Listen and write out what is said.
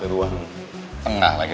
ruang tengah lagi